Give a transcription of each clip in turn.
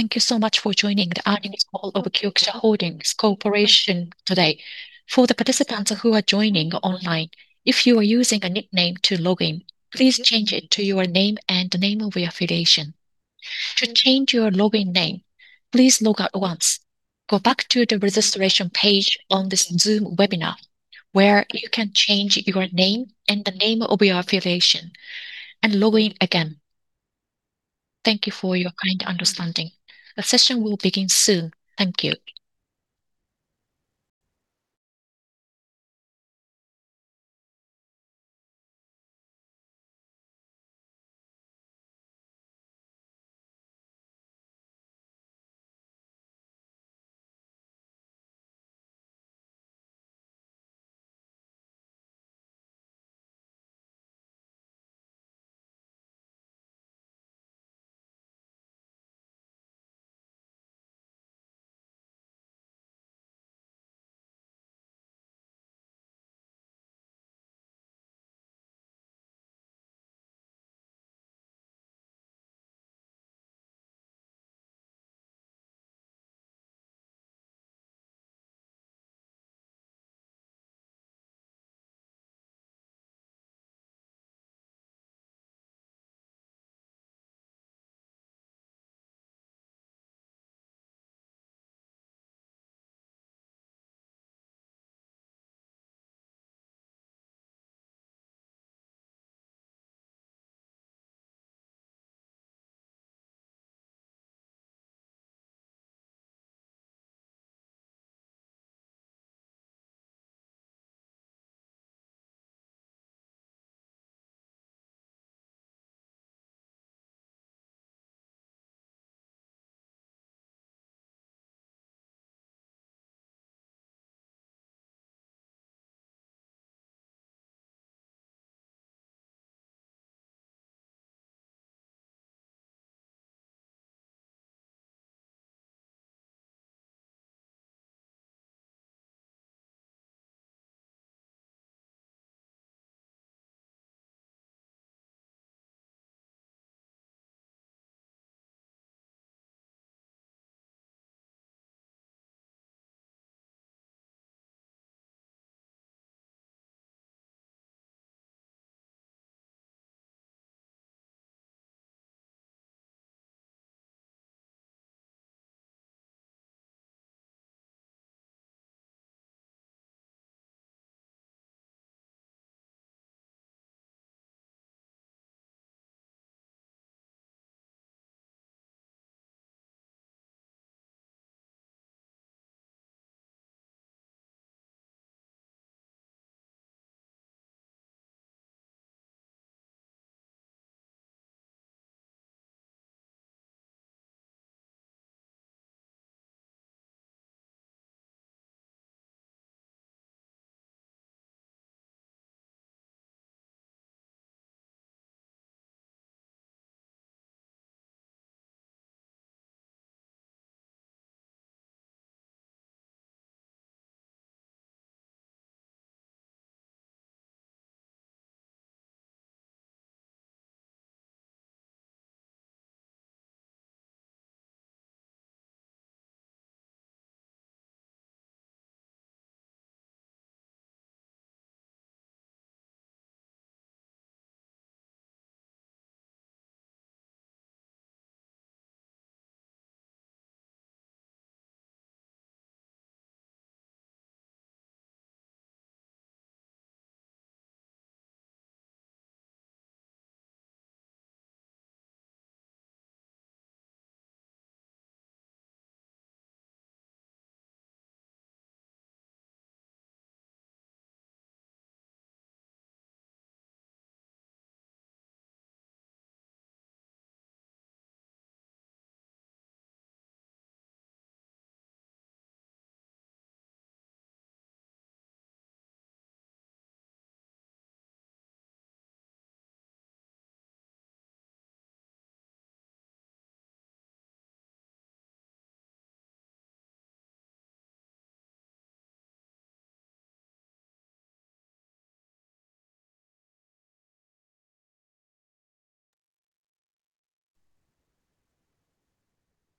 Thank you so much for joining the earnings call of Kioxia Holdings Corporation today. For the participants who are joining online, if you are using a nickname to log in, please change it to your name and the name of your affiliation. To change your login name, please log out once, go back to the registration page on this Zoom webinar where you can change your name and the name of your affiliation, and log in again. Thank you for your kind understanding. The session will begin soon. Thank you.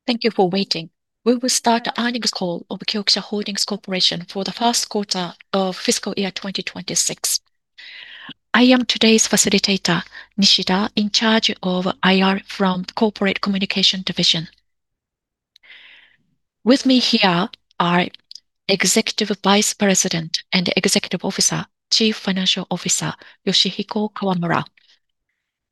Thank you for waiting. We will start the earnings call of Kioxia Holdings Corporation for the first quarter of fiscal year 2026. I am today's facilitator, Nishida, in charge of IR from Corporate Communication Division. With me here are Executive Vice President and Executive Officer, Chief Financial Officer, Yoshihiko Kawamura,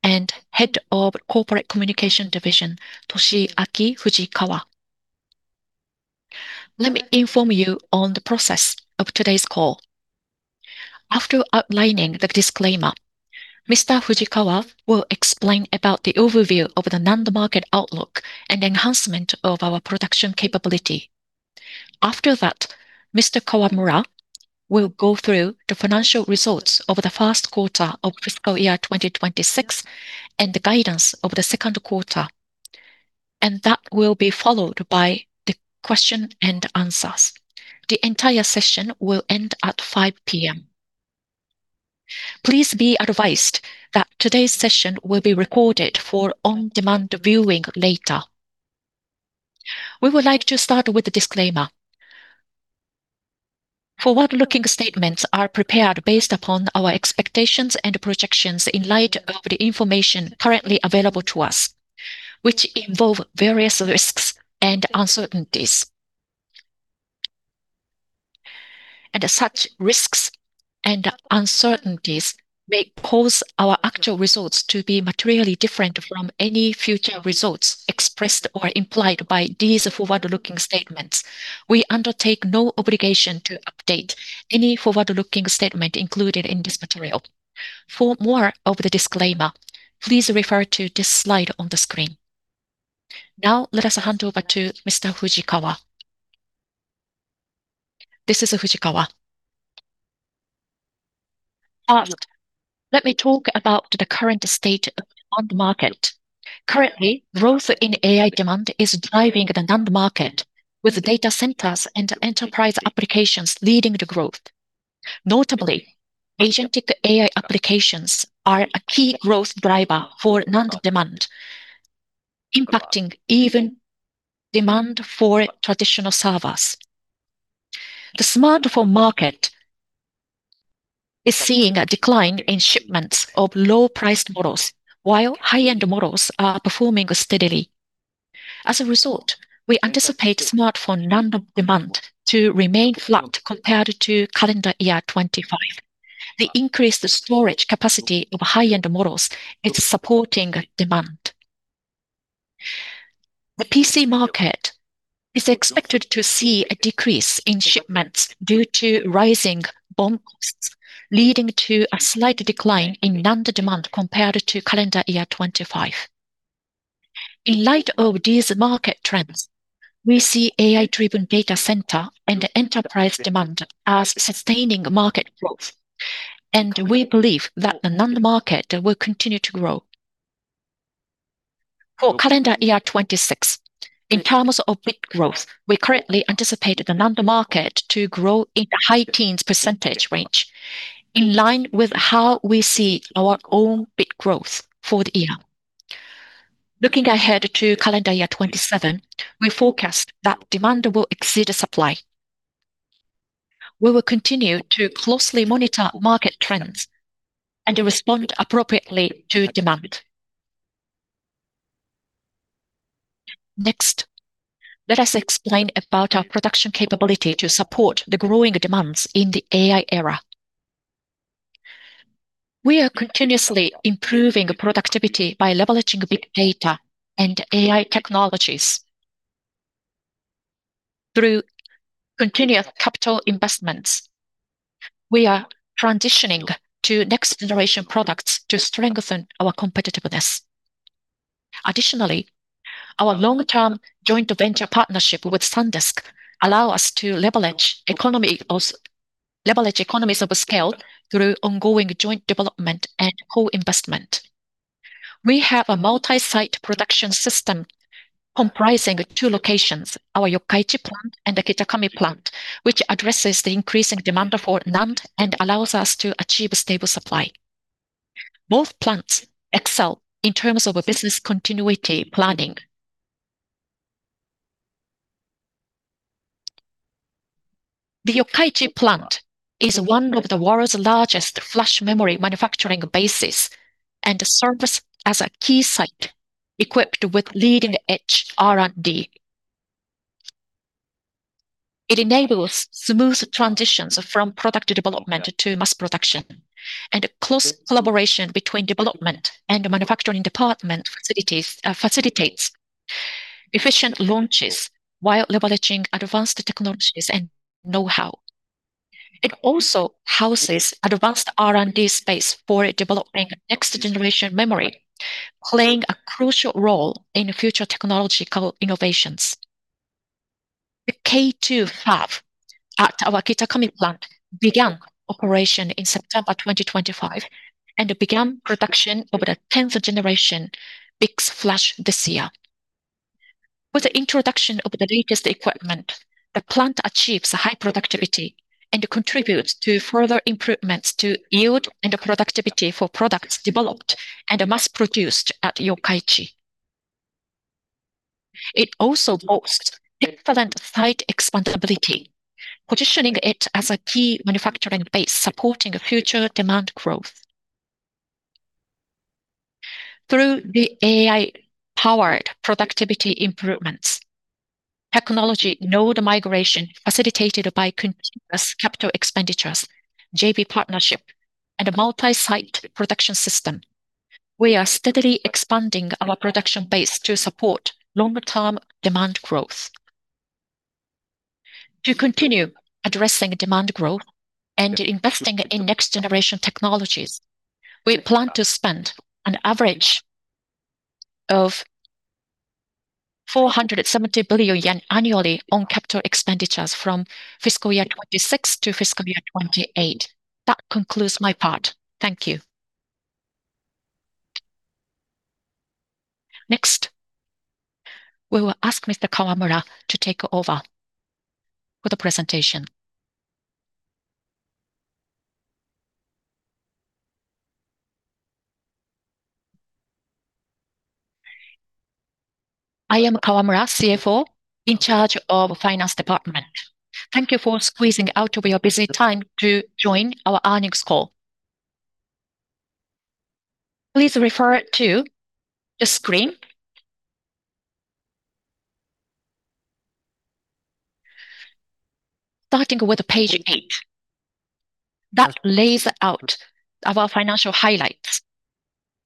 and Head of Corporate Communication Division, Toshiaki Fujikawa. Let me inform you on the process of today's call. After outlining the disclaimer, Mr. Fujikawa will explain about the overview of the NAND market outlook and enhancement of our production capability. After that, Mr. Kawamura will go through the financial results of the first quarter of fiscal year 2026 and the guidance of the second quarter, that will be followed by the question-and-answers. The entire session will end at 5:00 P.M. Please be advised that today's session will be recorded for on-demand viewing later. We would like to start with a disclaimer. Forward-looking statements are prepared based upon our expectations and projections in light of the information currently available to us, which involve various risks and uncertainties. Such risks and uncertainties may cause our actual results to be materially different from any future results expressed or implied by these forward-looking statements. We undertake no obligation to update any forward-looking statement included in this material. For more of the disclaimer, please refer to this slide on the screen. Now, let us hand over to Mr. Fujikawa. This is Fujikawa. First, let me talk about the current state of the NAND market. Currently, growth in AI demand is driving the NAND market, with data centers and enterprise applications leading the growth. Notably, agentic AI applications are a key growth driver for NAND demand, impacting even demand for traditional servers. The smartphone market is seeing a decline in shipments of low-priced models, while high-end models are performing steadily. As a result, we anticipate smartphone NAND demand to remain flat compared to calendar year 2025. The increased storage capacity of high-end models is supporting demand. The PC market is expected to see a decrease in shipments due to rising BOM costs, leading to a slight decline in NAND demand compared to calendar year 2025. In light of these market trends, we see AI-driven data center and enterprise demand as sustaining market growth, and we believe that the NAND market will continue to grow. For calendar year 2026, in terms of bit growth, we currently anticipate the NAND market to grow in the high teens percentage range, in line with how we see our own bit growth for the year. Looking ahead to calendar year 2027, we forecast that demand will exceed supply. We will continue to closely monitor market trends and respond appropriately to demand. Next, let us explain about our production capability to support the growing demands in the AI era. We are continuously improving productivity by leveraging big data and AI technologies. Through continuous capital investments, we are transitioning to next-generation products to strengthen our competitiveness. Additionally, our long-term joint venture partnership with Sandisk allows us to leverage economies of scale through ongoing joint development and co-investment. We have a multi-site production system comprising two locations, our Yokkaichi plant and the Kitakami plant, which addresses the increasing demand for NAND and allows us to achieve a stable supply. Both plants excel in terms of business continuity planning. The Yokkaichi plant is one of the world's largest flash memory manufacturing bases and serves as a key site equipped with leading-edge R&D. It enables smooth transitions from product development to mass production, and close collaboration between development and manufacturing department facilities facilitates efficient launches while leveraging advanced technologies and know-how. It also houses advanced R&D space for developing next-generation memory, playing a crucial role in future technological innovations. The K2 fab at our Kitakami plant began operation in September 2025 and began production of the 10th-generation bics flash this year. With the introduction of the latest equipment, the plant achieves high productivity and contributes to further improvements to yield and productivity for products developed and mass-produced at Yokkaichi. It also boasts different site expandability, positioning it as a key manufacturing base supporting future demand growth. Through the AI-powered productivity improvements, technology node migration facilitated by continuous capital expenditures, JV partnership, and a multi-site production system, we are steadily expanding our production base to support long-term demand growth. To continue addressing demand growth and investing in next-generation technologies, we plan to spend an average of 470 billion yen annually on capital expenditures from FY 2026 to FY 2028. That concludes my part. Thank you. Next, we will ask Mr. Kawamura to take over with the presentation. I am Kawamura, CFO in charge of finance department. Thank you for squeezing out of your busy time to join our earnings call. Please refer to page eight. That lays out our financial highlights.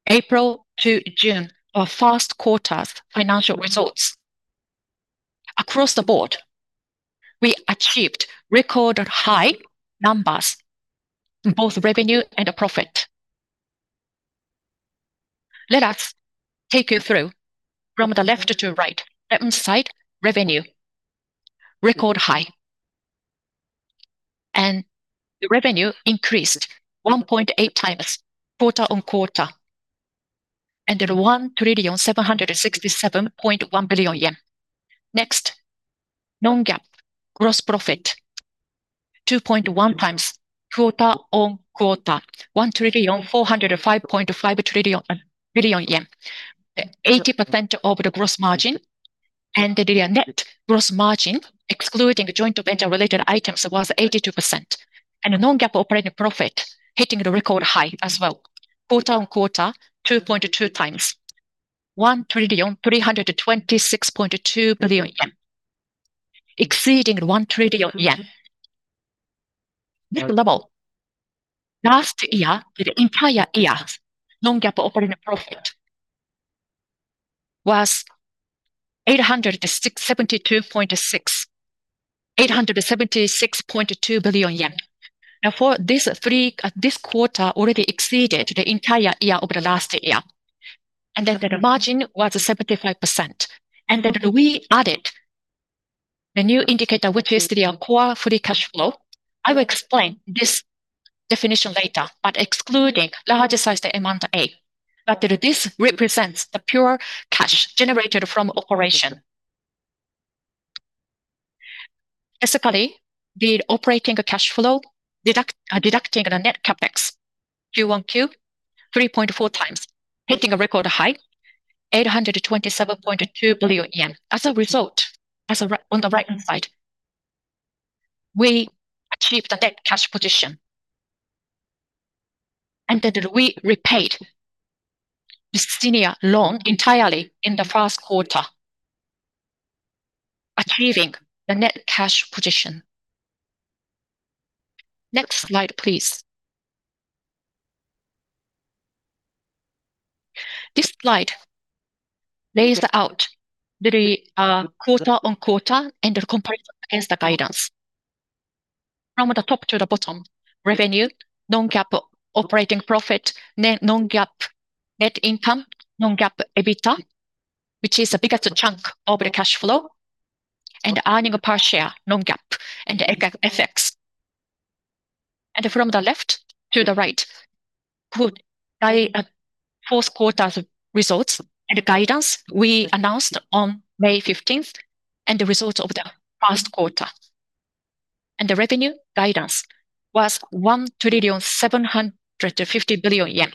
April to June are first quarter's financial results. Across the board, we achieved record high numbers in both revenue and profit. Let us take you through from the left to right. Left-hand side, revenue, record high. The revenue increased 1.8x quarter-on-quarter, and JPY 1,767.1 billion. Next, non-GAAP gross profit 2.1x quarter-on-quarter, 1,405.5 billion yen. 80% of the gross margin and the net gross margin, excluding joint venture related items, was 82%. The non-GAAP operating profit hitting the record high as well. Quarter-on-quarter, 2.2x, JPY 1,326.2 billion, exceeding JPY 1 trillion. This level last year, the entire year's non-GAAP operating profit was 876.2 billion yen. Now, for this quarter already exceeded the entire year of the last year. The margin was 75%. We added the new indicator, which is the core free cash flow. I will explain this definition later, but excluding large size amount A. This represents the pure cash generated from operation. Basically, the operating cash flow deducting the net CapEx Q-on-Q, 3.4x, hitting a record high 827.2 billion yen. As a result, on the right-hand side, we achieved a net cash position. We repaid the senior loan entirely in the first quarter, achieving the net cash position. Next slide, please. This slide lays out the quarter-on-quarter and the comparison against the guidance. From the top to the bottom, revenue, non-GAAP operating profit, net non-GAAP net income, non-GAAP EBITDA, which is the biggest chunk of the cash flow, and earning per share non-GAAP and FX. From the left to the right, fourth quarter's results and guidance we announced on May 15th, and the results of the first quarter. The revenue guidance was 1,750 billion yen,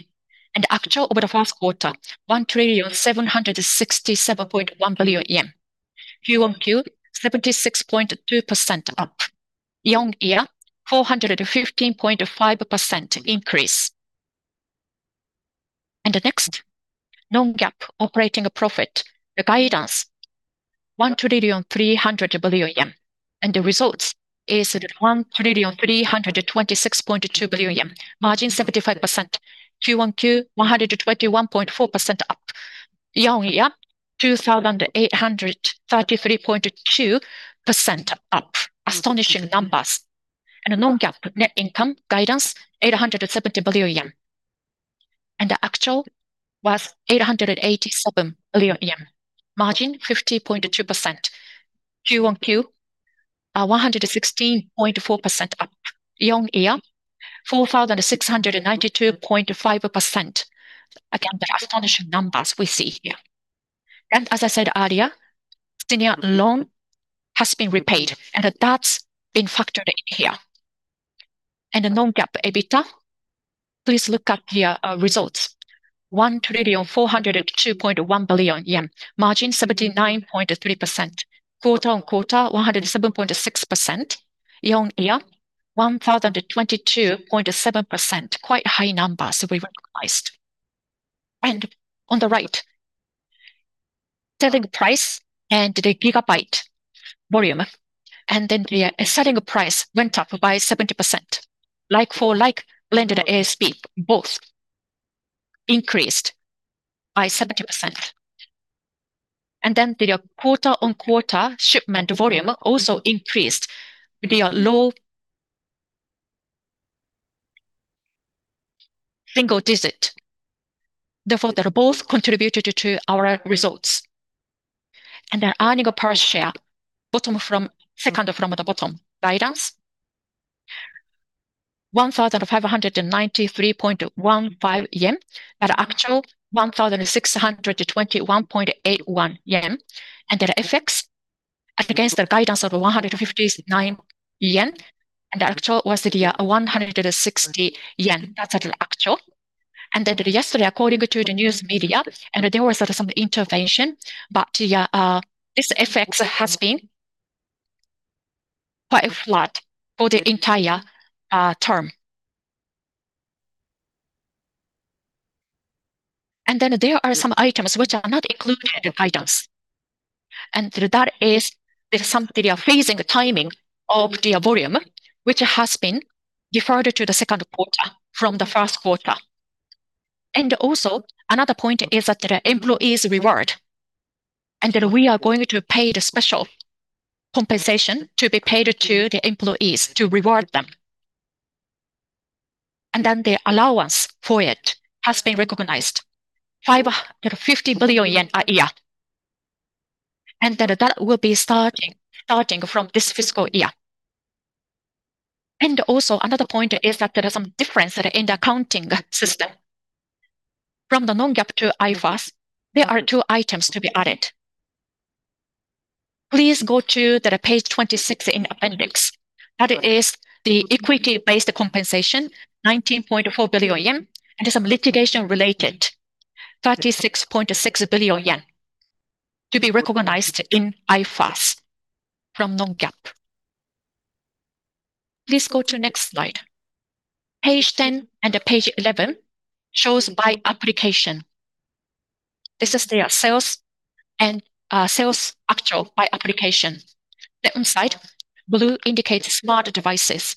and actual over the first quarter, 1,767.1 billion yen. Q-on-Q 76.2% up. Year-on-year 415.5% increase. The next, non-GAAP operating profit. The guidance, 1,300 billion yen. The results is 1,326.2 billion yen, margin 75%. Q-on-Q 121.4% up. Year-on-year 2,833.2% up. Astonishing numbers. Non-GAAP net income guidance, 870 billion yen. The actual was 887 billion yen, margin 50.2%. Q-on-Q 116.4% up. Year-on-year 4,692.5%. Again, the astonishing numbers we see here. As I said earlier, senior loan has been repaid, and that's been factored in here. The non-GAAP EBITDA, please look at the results, 1,402.1 billion yen, margin 79.3%. Quarter-on-quarter 107.6%. Year-on-year 1,022.7%. Quite high numbers we recognized. On the right, selling price and the gigabyte volume. The selling price went up by 70%, like for like blended ASP both increased by 70%. The quarter-on-quarter shipment volume also increased the low single digit. Therefore, they both contributed to our results. Our earning per share, second from the bottom, guidance 1,593.15 yen, but actual 1,621.81 yen. FX, against the guidance of 159 yen, the actual was the 160 yen. That's at actual. Yesterday, according to the news media, there was some intervention, but this FX has been quite flat for the entire term. There are some items which are not included items. That is there's some phasing timing of the volume, which has been deferred to the second quarter from the first quarter. Also, another point is that there are employees reward, that we are going to pay the special compensation to be paid to the employees to reward them. The allowance for it has been recognized, 50 billion yen a year. That will be starting from this fiscal year. Also, another point is that there are some difference in the accounting system. From the non-GAAP to IFRS, there are two items to be added. Please go to the page 26 in appendix. That is the equity-based compensation, 19.4 billion yen, and some litigation related, 36.6 billion yen, to be recognized in IFRS from non-GAAP. Please go to next slide. Page 10 and page 11 shows by application. This is the sales and sales actual by application. The inside blue indicates smart devices.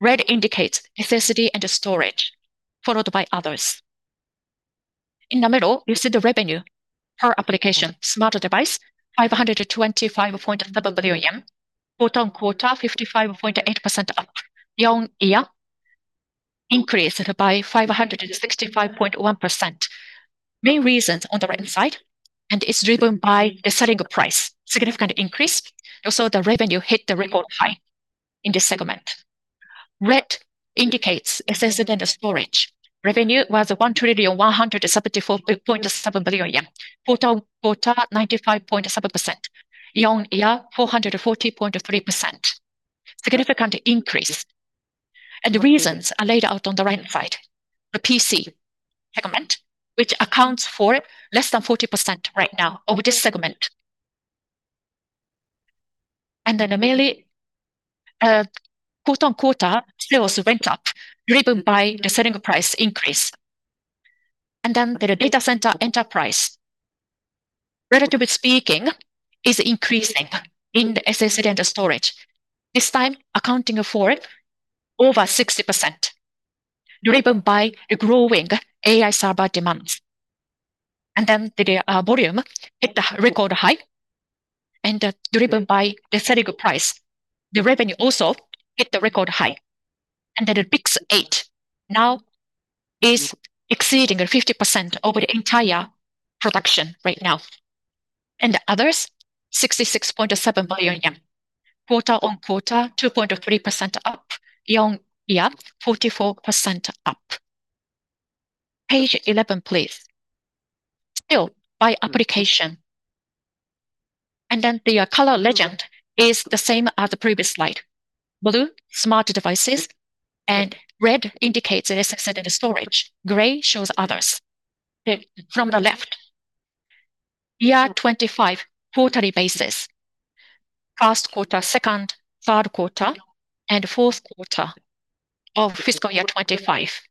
Red indicates SSD and storage, followed by others. In the middle, you see the revenue per application. Smart device, 525.7 billion. Quarter-on-quarter 55.8% up. Year-on-year increased by 565.1%. Main reasons on the right-hand side, it's driven by the selling price, significant increase. Also, the revenue hit the record high in this segment. Red indicates SSD and storage. Revenue was a JPY 1,174.7 billion. Quarter-on-quarter 95.7%. Year-on-year 440.3%. Significant increase. The reasons are laid out on the right-hand side. The PC segment, which accounts for less than 40% right now of this segment. Mainly, quarter-on-quarter sales went up driven by the selling price increase. The data center enterprise, relatively speaking, is increasing in the SSD and storage, this time accounting for over 60%, driven by the growing AI server demands. The volume hit the record high, and driven by the selling price, the revenue also hit the record high. The BiCS8 now is exceeding 50% over the entire production right now. The others, JPY 66.7 billion. Quarter-over-quarter, 2.3% up. Year-over-year, 44% up. Page 11, please. Still by application. The color legend is the same as the previous slide. Blue, smart devices, and red indicates SSD and storage. Gray shows others. From the left, fiscal year 2025 quarterly basis, first quarter, second, third quarter, and fourth quarter of fiscal year 2025.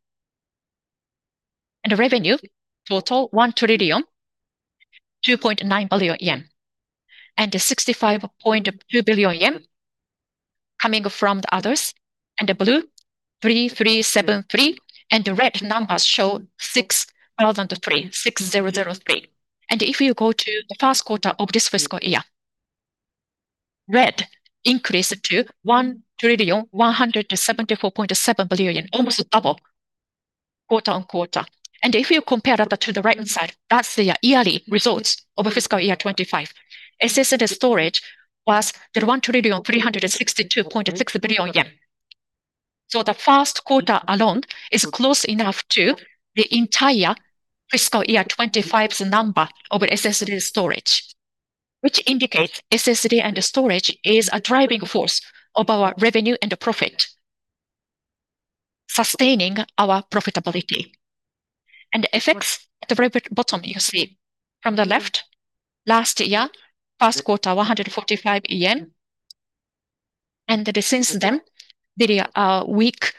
The revenue total, 1,002.9 billion yen. 65.2 billion yen coming from the others, and the blue, 3,373. The red numbers show 6,003, 6,003. If you go to the first quarter of this fiscal year, red increased to 1,174.7 billion, almost double quarter-over-quarter. If you compare that to the right-hand side, that's the yearly results of fiscal year 2025. SSD storage was 1,362.6 billion yen. The first quarter alone is close enough to the entire fiscal year 2025's number over SSD storage, which indicates SSD and storage is a driving force of our revenue and the profit, sustaining our profitability. FX, at the very bottom you see. From the left, last year, first quarter, 145 yen. Since then, the weak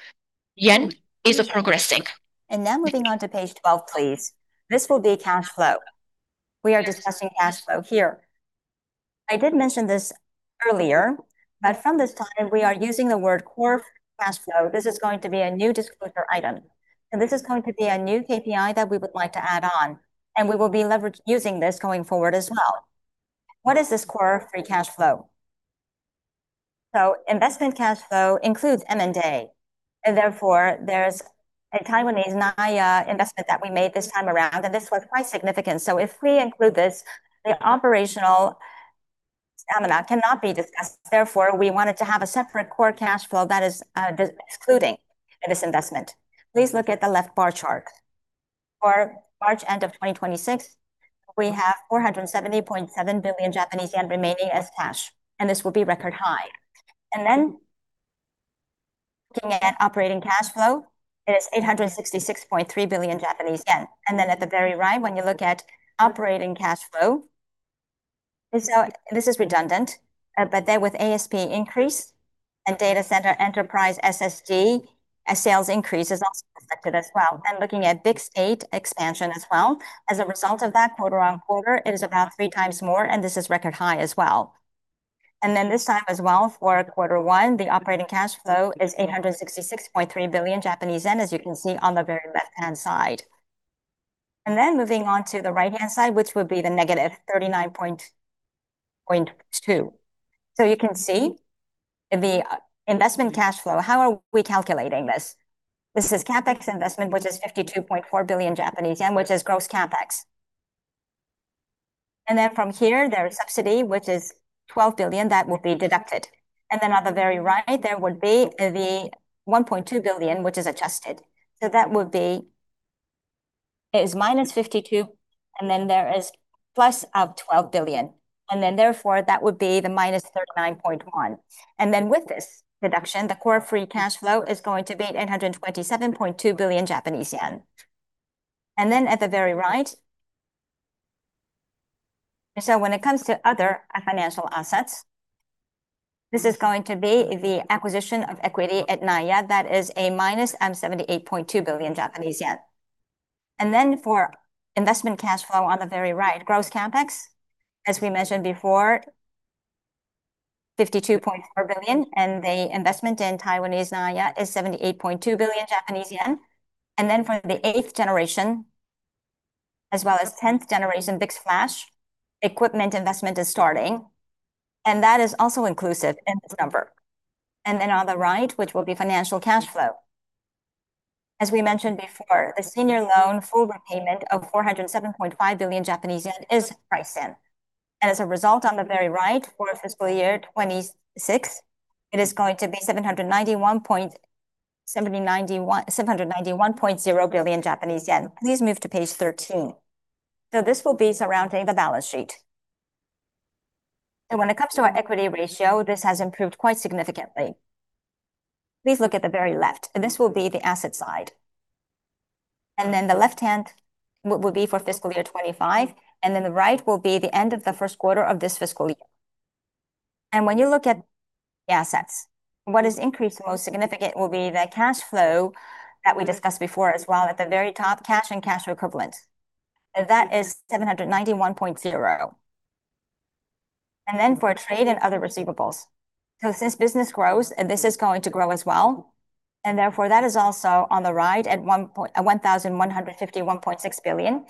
yen is progressing. Moving on to page 12, please. This will be cash flow. We are discussing cash flow here. I did mention this earlier, but from this time, we are using the word core cash flow. This is going to be a new disclosure item. This is going to be a new KPI that we would like to add on, and we will be leverage using this going forward as well. What is this core free cash flow? Investment cash flow includes M&A, and therefore, there's a Taiwanese Nanya investment that we made this time around, and this was quite significant. If we include this, the operational stamina cannot be discussed. We wanted to have a separate core cash flow that is excluding this investment. Please look at the left bar chart. For March end of 2026, we have 470.7 billion Japanese yen remaining as cash, this will be record high. Looking at operating cash flow, it is 866.3 billion Japanese yen. At the very right, when you look at operating cash flow, this is redundant, but there with ASP increase and data center enterprise SSD, a sales increase is also affected as well. Looking at BiCS8 expansion as well. As a result of that, quarter-over-quarter is about three times more, this is record high as well. This time as well, for quarter one, the operating cash flow is 866.3 billion Japanese yen, as you can see on the very left-hand side. Moving on to the right-hand side, which would be the -39.2. You can see the investment cash flow. How are we calculating this? This is CapEx investment, which is 52.4 billion Japanese yen, which is gross CapEx. From here, there is subsidy, which is 12 billion that will be deducted. On the very right, there would be the 1.2 billion, which is adjusted. That would be, it is -52, and then there is +12 billion. Therefore, that would be the -39.1. With this deduction, the core free cash flow is going to be 827.2 billion Japanese yen. At the very right. When it comes to other financial assets, this is going to be the acquisition of equity at Nanya. That is a -78.2 billion Japanese yen. For investment cash flow on the very right, gross CapEx, as we mentioned before, 52.4 billion. The investment in Taiwanese Nanya is 78.2 billion Japanese yen. For the 8th generation as well as 10th-generation bics flash equipment investment is starting. That is also inclusive in this number. On the right, which will be financial cash flow. As we mentioned before, the senior loan full repayment of 407.5 billion Japanese yen is priced in. As a result, on the very right, for FY 2026, it is going to be 791.0 billion Japanese yen. Please move to page 13. This will be surrounding the balance sheet. When it comes to our equity ratio, this has improved quite significantly. Please look at the very left, and this will be the asset side. The left hand will be for FY 2025, and then the right will be the end of the first quarter of this fiscal year. When you look at the assets, what is increased most significant will be the cash flow that we discussed before as well at the very top, cash and cash equivalent. That is 791.0. For trade and other receivables. Since business grows, this is going to grow as well. That is also on the right at 1,151.6 billion.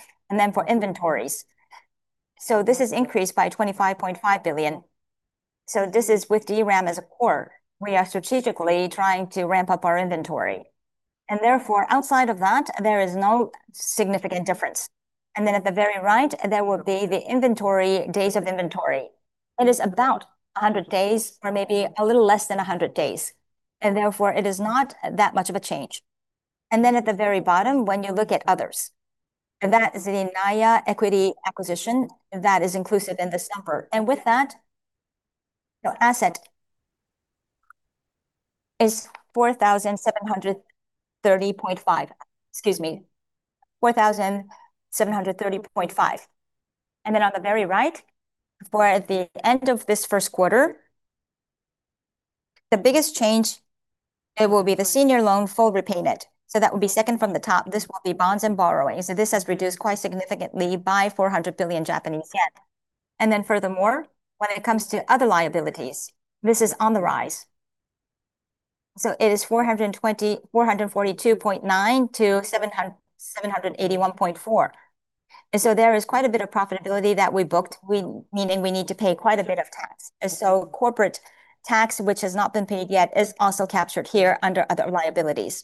For inventories. This is increased by 25.5 billion. This is with DRAM as a core. We are strategically trying to ramp up our inventory. Outside of that, there is no significant difference. At the very right, there will be the inventory, days of inventory. It is about 100 days or maybe a little less than 100 days. It is not that much of a change. At the very bottom, when you look at others, that is the Nanya equity acquisition. That is inclusive in this number. With that, asset is 4,730.5. Excuse me, 4,730.5. On the very right, for the end of this first quarter, the biggest change, it will be the senior loan full repayment. That will be second from the top. This will be bonds and borrowings. This has reduced quite significantly by 400 billion Japanese yen. Furthermore, when it comes to other liabilities, this is on the rise. It is 442.9-781.4. There is quite a bit of profitability that we booked, meaning we need to pay quite a bit of tax. Corporate tax, which has not been paid yet, is also captured here under other liabilities.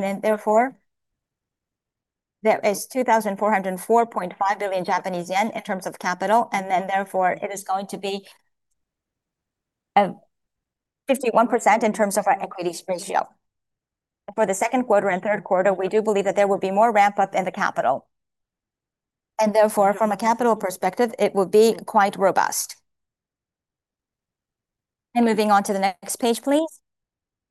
There is 2,404.5 billion Japanese yen in terms of capital, it is going to be 51% in terms of our equity ratio. For the second quarter and third quarter, we do believe that there will be more ramp-up in the capital. Therefore, from a capital perspective, it will be quite robust. Moving on to the next page, please.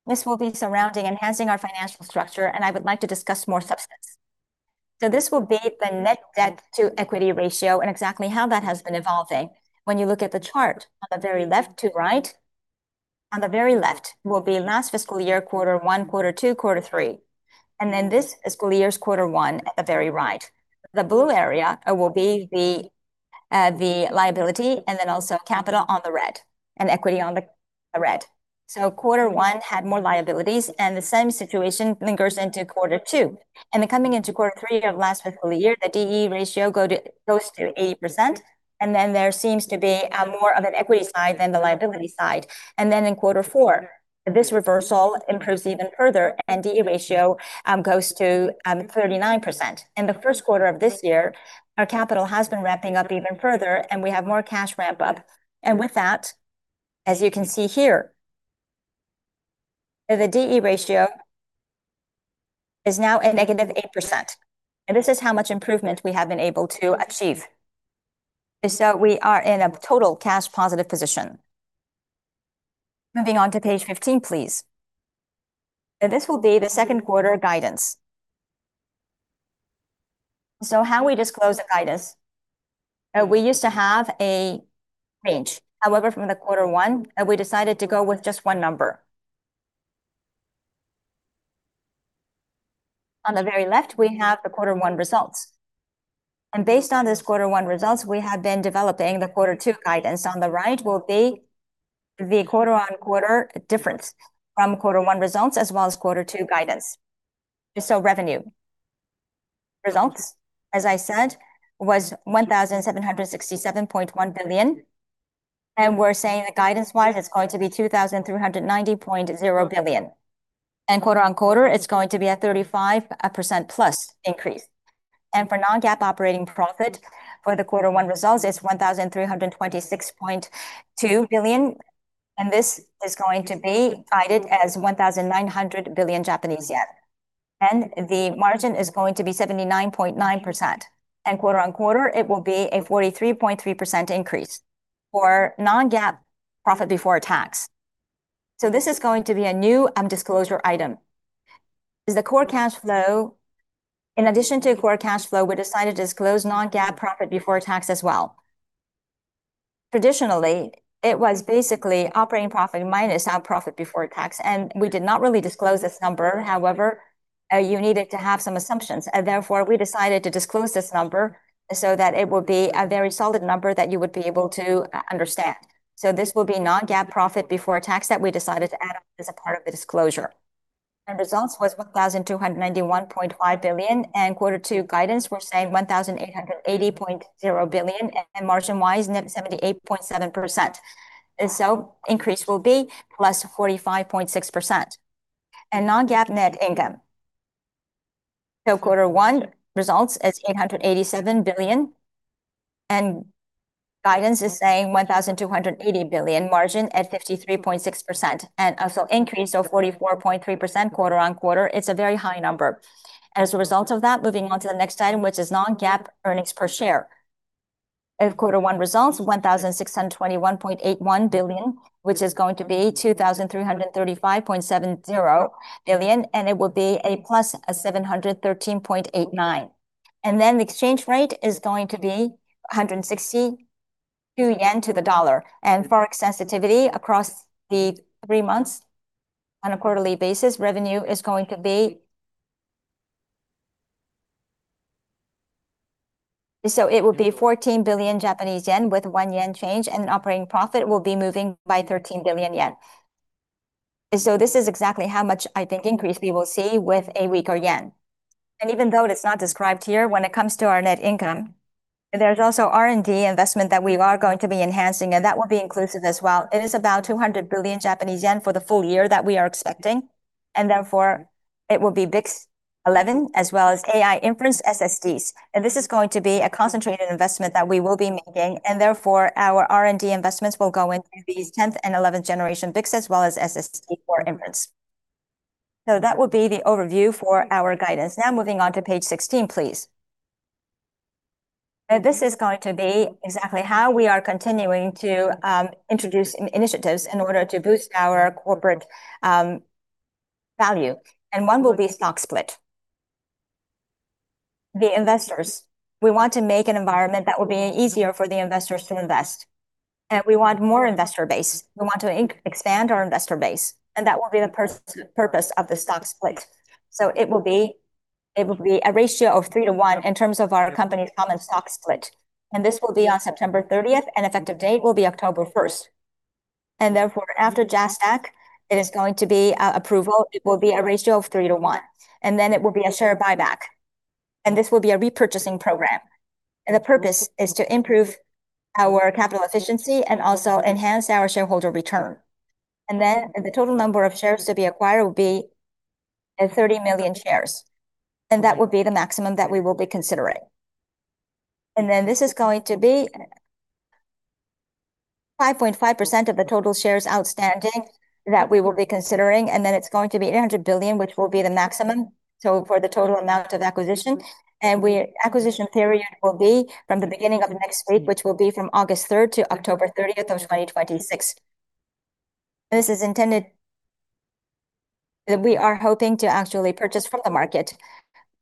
This will be surrounding enhancing our financial structure, and I would like to discuss more substance. This will be the net debt to equity ratio and exactly how that has been evolving. When you look at the chart on the very left to right, on the very left will be last fiscal year, quarter one, quarter two, quarter three. This fiscal year's quarter one at the very right. The blue area will be the liability and also capital on the red, and equity on the red. Quarter one had more liabilities, and the same situation lingers into quarter two. Coming into quarter three of last fiscal year, the D/E ratio goes to 80%, there seems to be more of an equity side than the liability side. In quarter four, this reversal improves even further and D/E ratio goes to 39%. In the first quarter of this year, our capital has been ramping up even further, and we have more cash ramp-up. With that, as you can see here, the D/E ratio is now at -8%, this is how much improvement we have been able to achieve. We are in a total cash positive position. Moving on to page 15, please. This will be the second quarter guidance. How we disclose the guidance. We used to have a range. However, from the quarter one, we decided to go with just one number. On the very left, we have the quarter one results, and based on this quarter one results, we have been developing the quarter two guidance. On the right will be the quarter-on-quarter difference from quarter one results as well as quarter two guidance. Revenue results, as I said, was 1,767.1 billion, we're saying that guidance-wise it's going to be 2,390.0 billion. Quarter-on-quarter, it's going to be a 35%+ increase. For non-GAAP operating profit for the quarter one results is 1,326.2 billion, this is going to be guided as 1,900 billion Japanese yen. The margin is going to be 79.9%, and quarter-over-quarter it will be a 43.3% increase. For non-GAAP profit before tax. This is going to be a new disclosure item. In addition to core cash flow, we decided to disclose non-GAAP profit before tax as well. Traditionally, it was basically operating profit minus our profit before tax, and we did not really disclose this number. You needed to have some assumptions, therefore we decided to disclose this number so that it would be a very solid number that you would be able to understand. This will be non-GAAP profit before tax that we decided to add on as a part of the disclosure. Results was 1,291.5 billion. Quarter two guidance, we're saying 1,880.0 billion. Margin-wise, net 78.7%. Increase will be +45.6%. Non-GAAP net income. Quarter one results is 887 billion and guidance is saying 1,280 billion, margin at 53.6%, and also increase of 44.3% quarter-over-quarter. It's a very high number. As a result of that, moving on to the next item, which is non-GAAP earnings per share. Quarter one results, 1,621.81 billion, which is going to be 2,335.70 billion, and it will be +713.89. The exchange rate is going to be 162 yen to the dollar. FOREX sensitivity across the three months on a quarterly basis, revenue is going to be 14 billion Japanese yen with 1 yen change, and then operating profit will be moving by 13 billion yen. This is exactly how much I think increase we will see with a weaker yen. Even though it's not described here, when it comes to our net income, there's also R&D investment that we are going to be enhancing, and that will be inclusive as well. It is about 200 billion Japanese yen for the full-year that we are expecting, and therefore it will be BiCS11 as well as AI inference SSDs. This is going to be a concentrated investment that we will be making, and therefore our R&D investments will go into these 10th and 11th generation BiCS, as well as SSD for inference. That will be the overview for our guidance. Moving on to page 16, please. This is going to be exactly how we are continuing to introduce initiatives in order to boost our corporate value, and one will be stock split. The investors. We want to make an environment that will be easier for the investors to invest. We want more investor base. We want to expand our investor base, and that will be the purpose of the stock split. It will be a ratio of 3:1 in terms of our company's common stock split. This will be on September 30th, and effective date will be October 1st. Therefore, after JASDAQ, it is going to be approval. It will be a ratio of 3:1, and then it will be a share buyback, and this will be a repurchasing program. The purpose is to improve our capital efficiency and also enhance our shareholder return. The total number of shares to be acquired will be 30 million shares, and that will be the maximum that we will be considering. This is going to be 5.5% of the total shares outstanding that we will be considering, it is going to be 800 billion, which will be the maximum for the total amount of acquisition. Acquisition period will be from the beginning of next week, which will be from August 3rd to October 30th of 2026. This is intended that we are hoping to actually purchase from the market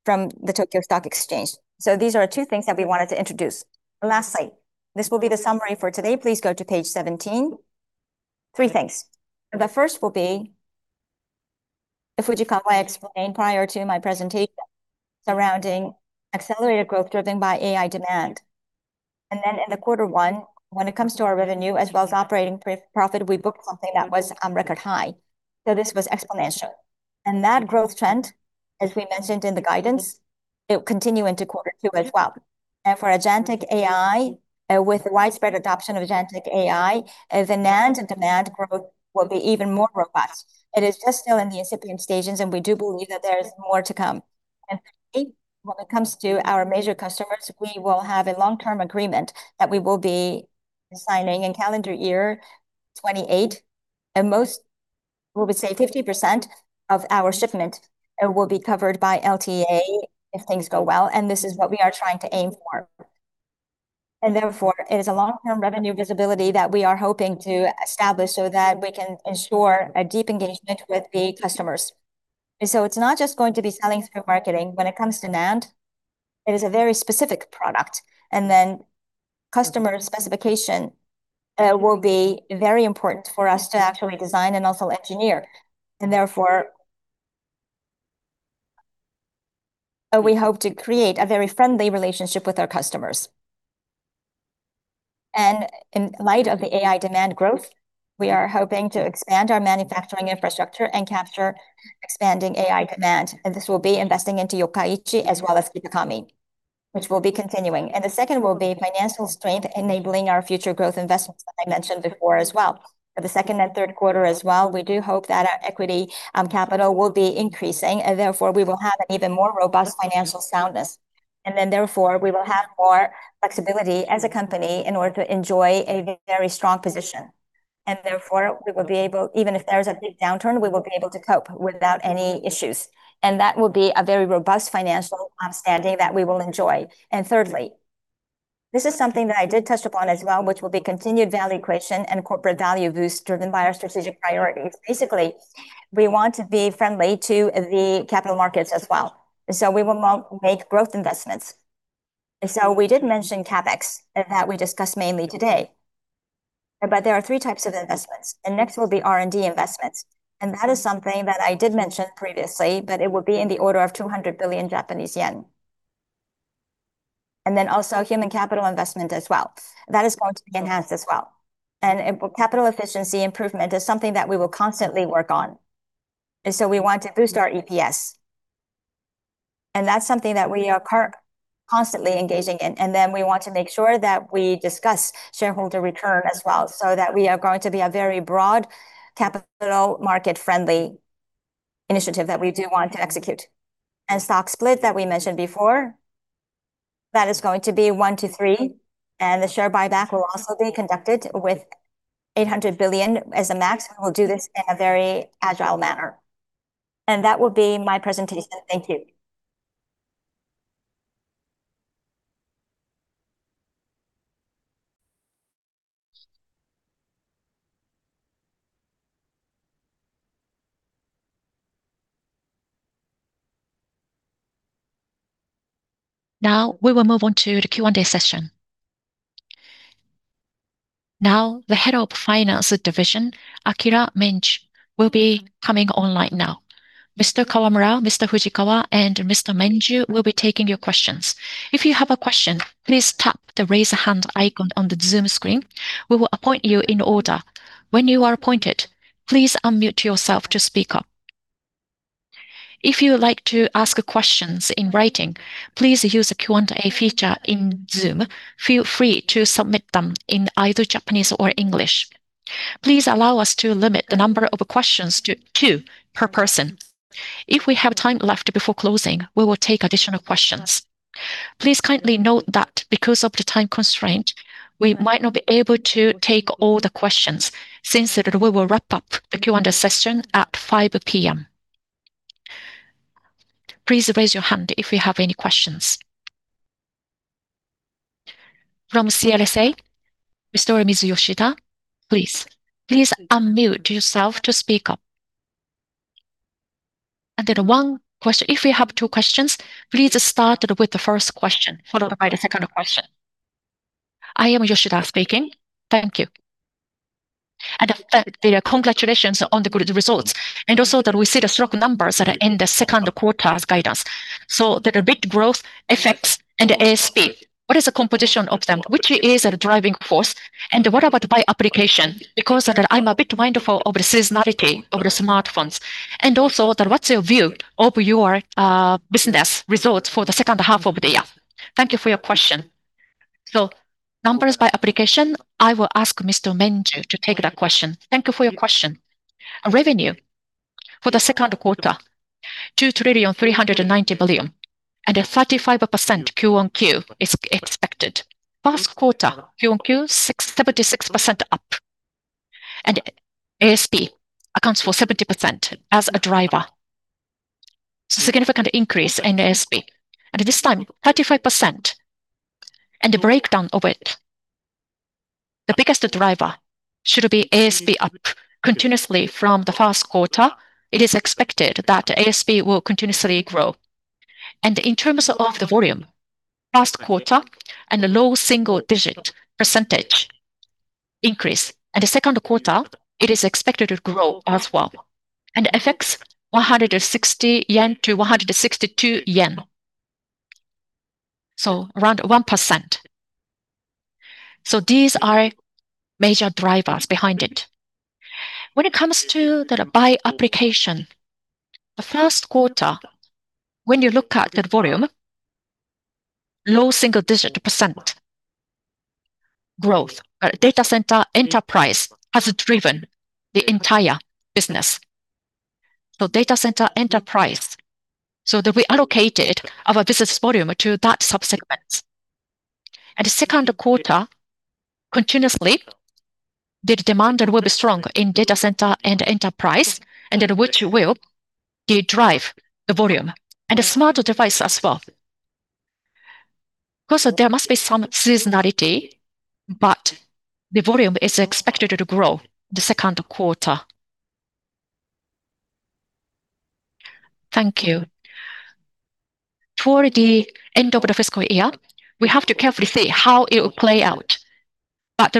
from the Tokyo Stock Exchange. These are two things that we wanted to introduce. Lastly, this will be the summary for today. Please go to page 17. Three things. The first will be, Fujikawa explained prior to my presentation surrounding accelerated growth driven by AI demand. In the quarter one, when it comes to our revenue as well as operating profit, we booked something that was on record high. This was exponential. That growth trend, as we mentioned in the guidance, it will continue into quarter two as well. For agentic AI, with the widespread adoption of agentic AI, the NAND demand growth will be even more robust. It is just still in the incipient stages, and we do believe that there is more to come. When it comes to our major customers, we will have a long-term agreement that we will be signing in calendar year 2028. Most, we would say 50% of our shipment will be covered by LTA if things go well. This is what we are trying to aim for. Therefore, it is a long-term revenue visibility that we are hoping to establish so that we can ensure a deep engagement with the customers. It is not just going to be selling through marketing. When it comes to NAND, it is a very specific product. Customer specification will be very important for us to actually design and also engineer. Therefore, we hope to create a very friendly relationship with our customers. In light of the AI demand growth, we are hoping to expand our manufacturing infrastructure and capture expanding AI demand. This will be investing into Yokkaichi as well as Kitakami, which will be continuing. The second will be financial strength enabling our future growth investments that I mentioned before as well. For the second and third quarter as well, we do hope that our equity capital will be increasing, and therefore we will have an even more robust financial soundness. Therefore, we will have more flexibility as a company in order to enjoy a very strong position. Therefore, even if there is a big downturn, we will be able to cope without any issues. That will be a very robust financial standing that we will enjoy. Thirdly, this is something that I did touch upon as well, which will be continued value creation and corporate value boost driven by our strategic priorities. Basically, we want to be friendly to the capital markets as well. We will make growth investments. We did mention CapEx, and that we discussed mainly today. There are three types of investments, next will be R&D investments. That is something that I did mention previously, but it will be in the order of 200 billion Japanese yen. Also human capital investment as well. That is going to be enhanced as well. Capital efficiency improvement is something that we will constantly work on. We want to boost our EPS. That's something that we are constantly engaging in. We want to make sure that we discuss shareholder return as well, so that we are going to be a very broad capital market-friendly initiative that we do want to execute. Stock split that we mentioned before, that is going to be one to three, and the share buyback will also be conducted with 800 billion as a max. We'll do this in a very agile manner. That will be my presentation. Thank you. We will move on to the Q&A session. The Head of Finance & Accounting Division, Akira Menju, will be coming online now. Mr. Kawamura, Mr. Fujikawa, and Mr. Menju will be taking your questions. If you have a question, please tap the raise-a-hand icon on the Zoom screen. We will appoint you in order. When you are appointed, please unmute yourself to speak up. If you would like to ask questions in writing, please use the Q&A feature in Zoom. Feel free to submit them in either Japanese or English. Please allow us to limit the number of questions to two per person. If we have time left before closing, we will take additional questions. Please kindly note that because of the time constraint, we might not be able to take all the questions since we will wrap up the Q&A session at 5:00 P.M. Please raise your hand if you have any questions. From CLSA, Ms. Yoshida, please. Please unmute yourself to speak up. One question. If you have two questions, please start with the first question, followed by the second question. I am Yoshida speaking. Thank you. Congratulations on the good results, and also that we see the strong numbers that are in the second quarter's guidance. The big growth effects and the ASP, what is the composition of them? Which is the driving force, and what about by application? I'm a bit mindful of the seasonality of the smartphones. Also, what's your view of your business results for the second half of the year? Thank you for your question. Numbers by application, I will ask Mr. Menju to take that question. Thank you for your question. Revenue for the second quarter, 2,390 billion, and a 35% Q-on-Q is expected. First quarter, Q-on-Q, 76% up. ASP accounts for 70% as a driver. Significant increase in ASP. This time, 35%. The breakdown of it, the biggest driver should be ASP up continuously from the first quarter. It is expected that ASP will continuously grow. In terms of the volume, last quarter, a low single-digit percentage increase. The second quarter, it is expected to grow as well. FX, 160-162 yen. Around 1%. These are major drivers behind it. When it comes to the by application, the first quarter, when you look at the volume, low single-digit percent growth. Data center enterprise has driven the entire business. Data center enterprise, so that we allocated our business volume to that sub-segment. In the second quarter, continuously, the demand will be strong in data center and enterprise, which will drive the volume, and the smarter device as well. Of course, there must be some seasonality, but the volume is expected to grow the second quarter. Thank you. Toward the end of the fiscal year, we have to carefully see how it will play out.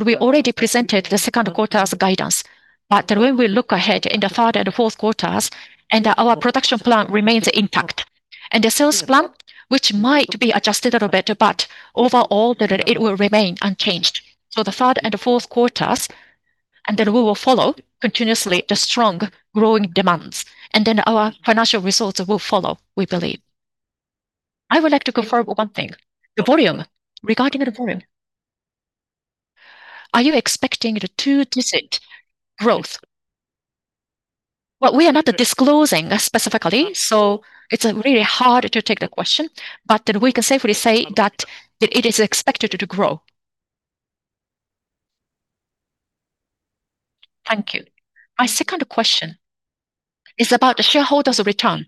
We already presented the second quarter as guidance. When we look ahead in the third and fourth quarters, our production plan remains intact. The sales plan, which might be adjusted a little bit, but overall, it will remain unchanged. The third and fourth quarters, we will follow continuously the strong growing demands, our financial results will follow, we believe. I would like to confirm one thing regarding the volume. Are you expecting the two-digit growth? We are not disclosing specifically, so it's really hard to take the question, but we can safely say that it is expected to grow. Thank you. My second question is about the shareholders' return.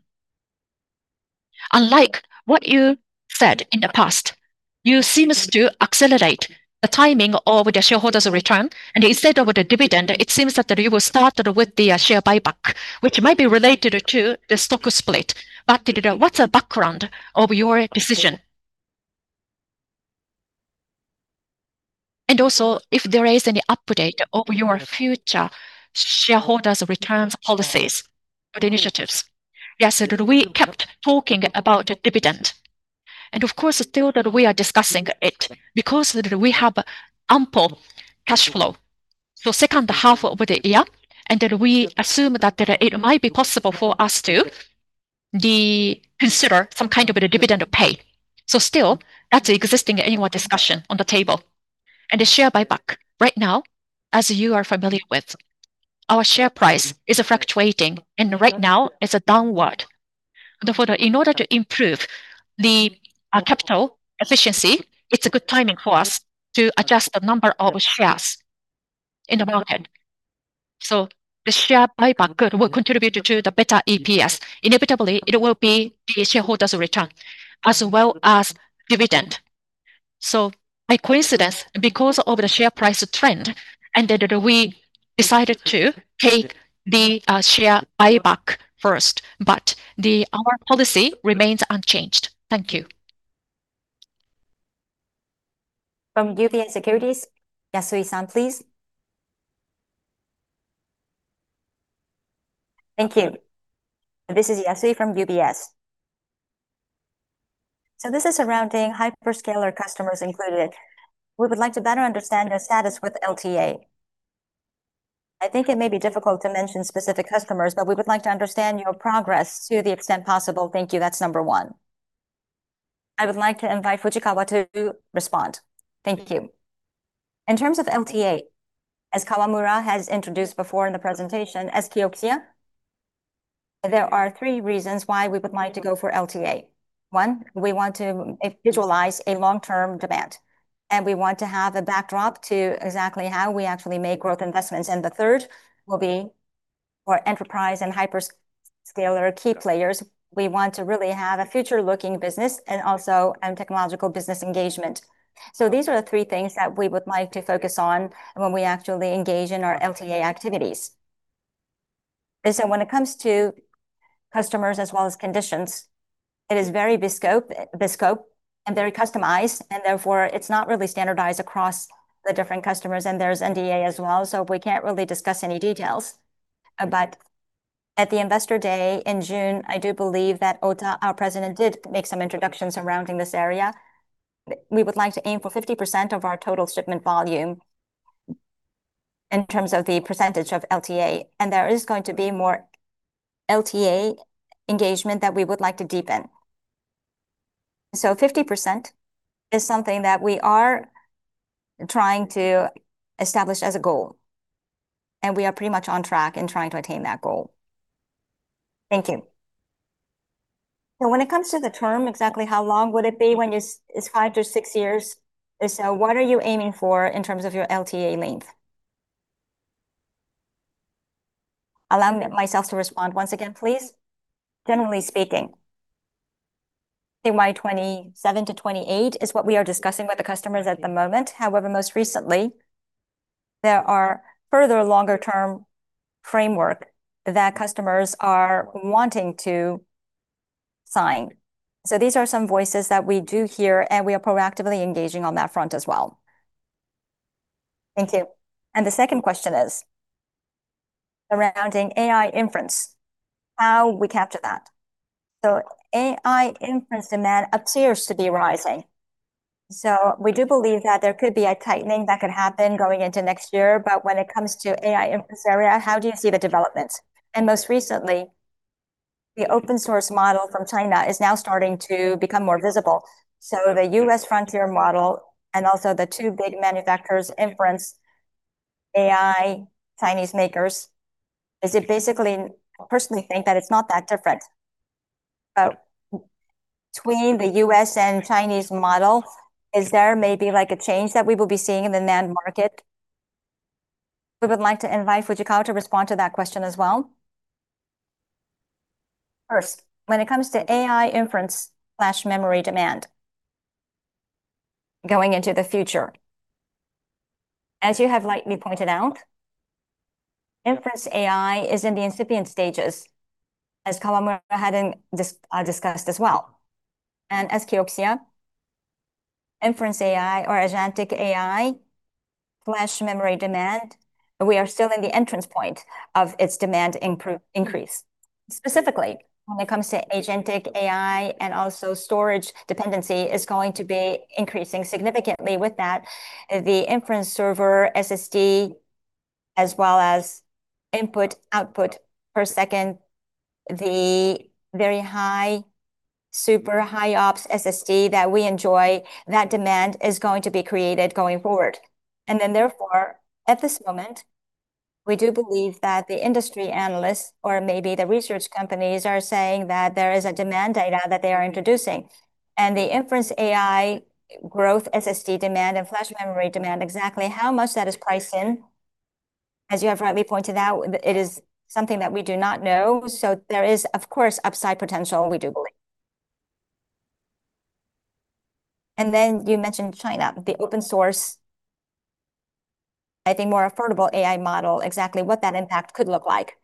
Unlike what you said in the past, you seem to accelerate the timing of the shareholders' return. Instead of with the dividend, it seems that you will start with the share buyback, which might be related to the stock split. What's the background of your decision? Also, if there is any update over your future shareholders' returns policies or initiatives. We kept talking about dividend. Of course, still we are discussing it because we have ample cash flow. Second half of the year, we assume that it might be possible for us to consider some kind of a dividend pay. Still, that's existing annual discussion on the table. The share buyback. Right now, as you are familiar with, our share price is fluctuating, and right now it's downward. In order to improve the capital efficiency, it's a good timing for us to adjust the number of shares in the market. The share buyback will contribute to the better EPS. Inevitably, it will be the shareholders' return, as well as dividend. By coincidence, because of the share price trend, we decided to take the share buyback first, but our policy remains unchanged. Thank you. From UBS Securities, Kenji, please. Thank you. This is Kenji from UBS. This is surrounding hyperscaler customers included. We would like to better understand your status with LTA. I think it may be difficult to mention specific customers, but we would like to understand your progress to the extent possible. Thank you. That's number one. I would like to invite Fujikawa to respond. Thank you. In terms of LTA, as Kawamura has introduced before in the presentation, as Kioxia, there are three reasons why we would like to go for LTA. One, we want to visualize a long-term demand, and we want to have a backdrop to exactly how we actually make growth investments. The third will be for enterprise and hyperscaler key players. We want to really have a future-looking business and also a technological business engagement. These are the three things that we would like to focus on when we actually engage in our LTA activities. When it comes to customers as well as conditions, it is very bespoke and very customized, and therefore, it's not really standardized across the different customers. There's NDA as well, so we can't really discuss any details. At the Investor Day in June, I do believe that Ota, our president, did make some introductions surrounding this area. We would like to aim for 50% of our total shipment volume in terms of the percentage of LTA. There is going to be more LTA engagement that we would like to deepen. 50% is something that we are trying to establish as a goal, and we are pretty much on track in trying to attain that goal. Thank you. When it comes to the term, exactly how long would it be when it's five to six years? What are you aiming for in terms of your LTA length? Allowing myself to respond once again, please. Generally speaking, say by 2027 to 2028 is what we are discussing with the customers at the moment. However, most recently, there are further longer-term framework that customers are wanting to sign. These are some voices that we do hear, and we are proactively engaging on that front as well. Thank you. The second question is surrounding AI inference, how we capture that. AI inference demand appears to be rising. We do believe that there could be a tightening that could happen going into next year. When it comes to AI inference area, how do you see the development? Most recently, the open source model from China is now starting to become more visible. The U.S. frontier model and also the two big manufacturers inference AI Chinese makers, I personally think that it's not that different. Between the U.S. and Chinese model, is there maybe a change that we will be seeing in the NAND market? We would like to invite Fujikawa to respond to that question as well. First, when it comes to AI inference flash memory demand going into the future, as you have rightly pointed out, inference AI is in the incipient stages, as Kawamura had discussed as well. As Kioxia inference AI or agentic AI flash memory demand, we are still in the entrance point of its demand increase. Specifically, when it comes to agentic AI and also storage dependency is going to be increasing significantly with that. The inference server SSD as well as input output per second, the very high, super high IOPS SSD that we enjoy, that demand is going to be created going forward. Therefore, at this moment, we do believe that the industry analysts or maybe the research companies are saying that there is a demand data that they are introducing. The inference AI growth SSD demand and flash memory demand, exactly how much that is priced in, as you have rightly pointed out, it is something that we do not know. There is, of course, upside potential, we do believe. You mentioned China, the open source, I think more affordable AI model, exactly what that impact could look like.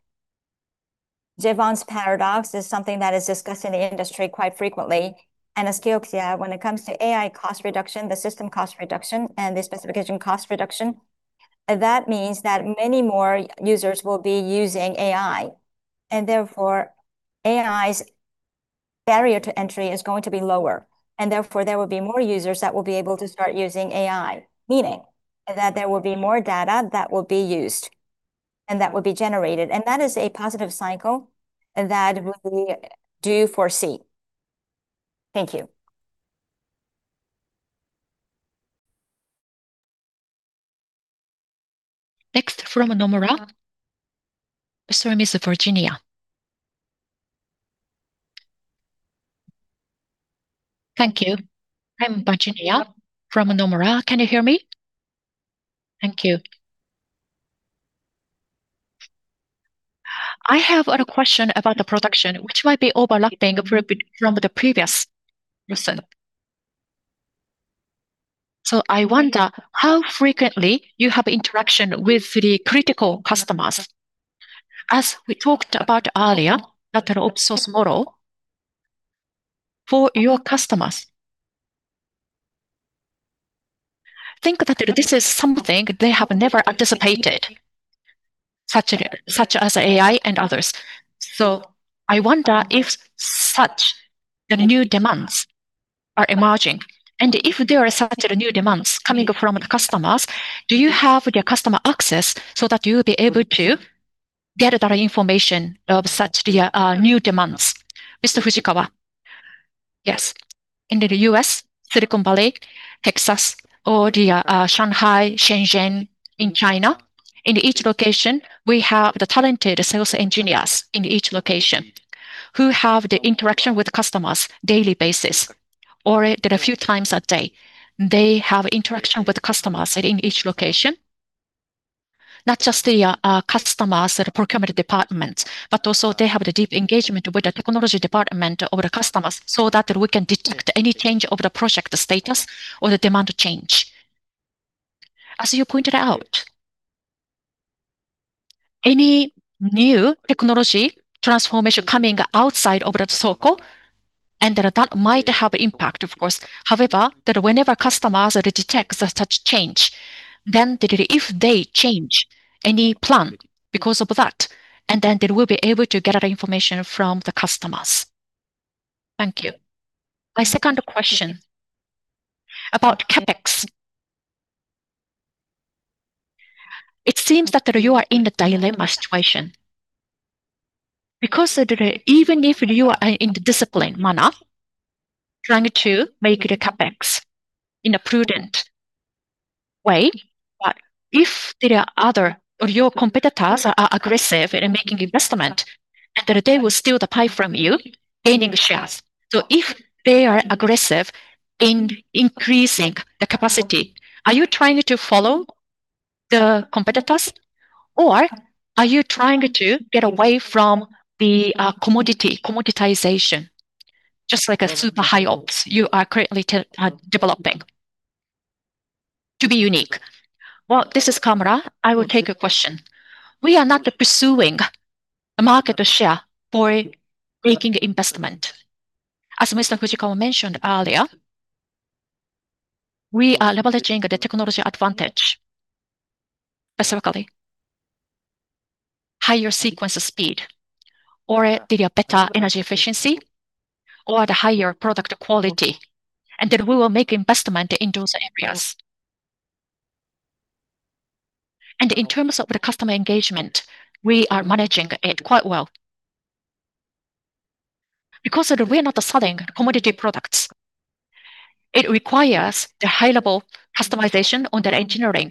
Jevons paradox is something that is discussed in the industry quite frequently. As Kioxia, when it comes to AI cost reduction, the system cost reduction, and the specification cost reduction, that means that many more users will be using AI. Therefore AI's barrier to entry is going to be lower, and therefore there will be more users that will be able to start using AI. Meaning that there will be more data that will be used and that will be generated. That is a positive cycle that we do foresee. Thank you. Next from Nomura. Sorry, Ms. Virginia. Thank you. I'm Virginia from Nomura. Can you hear me? Thank you. I have a question about the production, which might be overlapping from the previous person. I wonder how frequently you have interaction with the critical customers. As we talked about earlier, that open source model for your customers. I think that this is something they have never anticipated, such as AI and others. I wonder if such the new demands are emerging, and if there are such new demands coming from the customers, do you have the customer access so that you'll be able to get that information of such new demands? Mr. Fujikawa? Yes. In the U.S., Silicon Valley, Texas, or the Shanghai, Shenzhen in China. In each location, we have the talented sales engineers in each location who have the interaction with customers daily basis or a few times a day. They have interaction with customers in each location. Not just the customers procurement departments, but also they have the deep engagement with the technology department of the customers so that we can detect any change of the project status or the demand change. As you pointed out, any new technology transformation coming outside of that circle. That might have impact, of course. However, that whenever customers detect such change, if they change any plan because of that, they will be able to get information from the customers. Thank you. My second question about CapEx. It seems that you are in the dilemma situation. Even if you are in the disciplined manner trying to make the CapEx in a prudent way, if there are other of your competitors are aggressive in making investment, they will steal the pie from you gaining shares. If they are aggressive in increasing the capacity, are you trying to follow the competitors or are you trying to get away from the commoditization? Just like a super high ops you are currently developing to be unique. Well, this is Kawamura. I will take your question. We are not pursuing a market share for making investment. As Mr. Fujikawa mentioned earlier, we are leveraging the technology advantage, specifically higher sequence speed, or the better energy efficiency, or the higher product quality, we will make investment in those areas. In terms of the customer engagement, we are managing it quite well. We are not selling commodity products, it requires the high level customization on the engineering.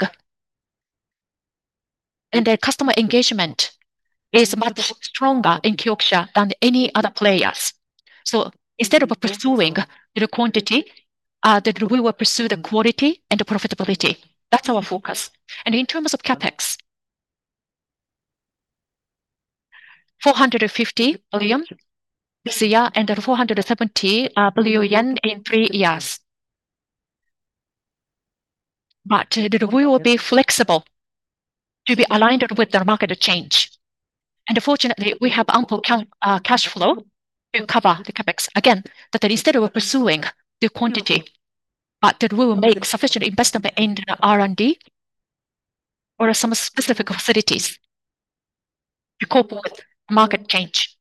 The customer engagement is much stronger in Kioxia than any other players. Instead of pursuing the quantity, that we will pursue the quality and profitability. That's our focus. In terms of CapEx, 450 billion this year 470 billion yen in three years. We will be flexible to be aligned with the market change. Fortunately, we have ample cash flow to cover the CapEx. Again, that instead of pursuing the quantity, but that we will make sufficient investment in R&D or some specific facilities to cope with market change.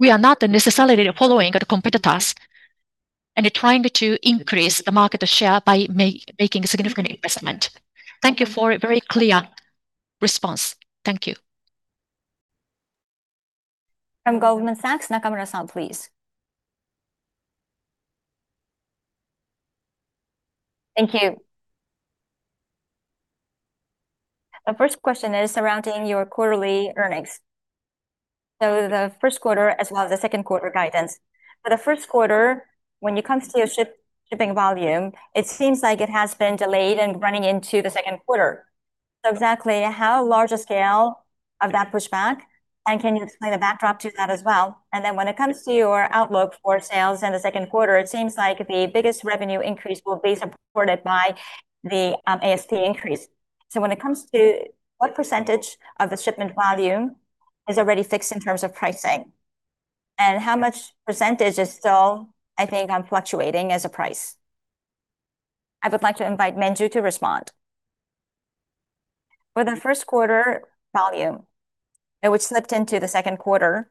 We are not necessarily following the competitors and trying to increase the market share by making significant investment. Thank you for a very clear response. Thank you. From Goldman Sachs, Shuhei, please. Thank you. The first question is surrounding your quarterly earnings. The first quarter as well as the second quarter guidance. For the first quarter, when it comes to your shipping volume, it seems like it has been delayed and running into the second quarter. Exactly how large a scale of that pushback, and can you explain the backdrop to that as well? When it comes to your outlook for sales in the second quarter, it seems like the biggest revenue increase will be supported by the ASP increase. When it comes to what percentage of the shipment volume is already fixed in terms of pricing, and how much percentage is still, I think, fluctuating as a price? I would like to invite Menju to respond. For the first quarter volume, it was slipped into the second quarter.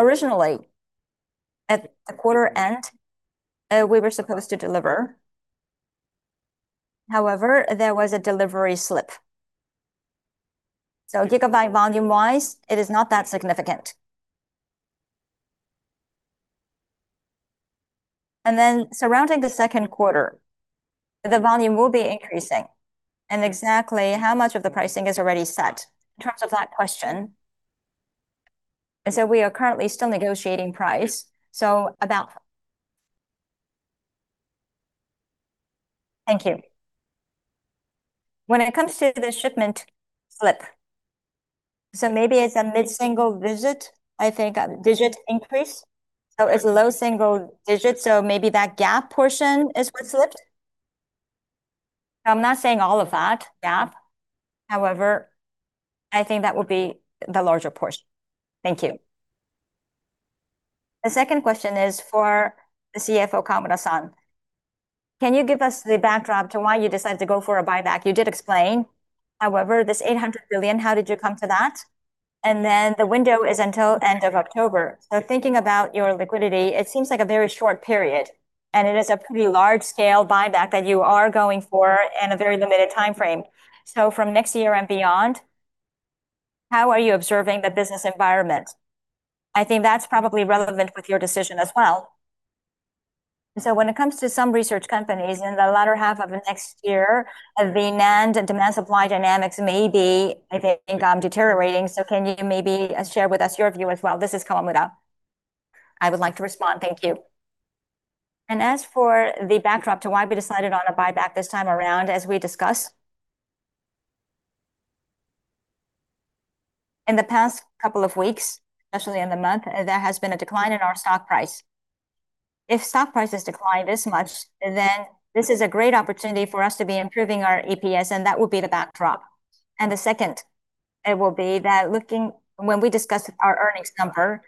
Originally, at the quarter end, we were supposed to deliver. However, there was a delivery slip. Gigabyte volume-wise, it is not that significant. Surrounding the second quarter, the volume will be increasing. Exactly how much of the pricing is already set in terms of that question, is that we are currently still negotiating price, so about Thank you. When it comes to the shipment slip, maybe it's a mid-single digit, I think, increase. It's low single digit, maybe that gap portion is what slipped. I'm not saying all of that gap. However, I think that would be the larger portion. Thank you. The second question is for the CFO, Kawamura-san. Can you give us the backdrop to why you decided to go for a buyback? You did explain. This 800 billion, how did you come to that? The window is until end of October. Thinking about your liquidity, it seems like a very short period, and it is a pretty large-scale buyback that you are going for in a very limited timeframe. From next year and beyond, how are you observing the business environment? I think that's probably relevant with your decision as well. When it comes to some research companies in the latter half of next year, the NAND demand supply dynamics may be, I think, deteriorating. Can you maybe share with us your view as well? This is Kawamura. I would like to respond. Thank you. As for the backdrop to why we decided on a buyback this time around, as we discussed. In the past couple of weeks, especially in the month, there has been a decline in our stock price. If stock prices decline this much, then this is a great opportunity for us to be improving our EPS, and that will be the backdrop. The second, it will be that looking when we discuss our earnings number,